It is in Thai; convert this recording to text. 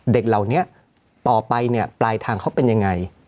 เด็กเหล่านี้ต่อไปเนี่ยปลายทางเขาเป็นยังไง